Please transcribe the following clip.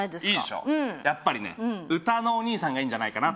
やっぱりね、歌のお兄さんがいいんじゃないかな。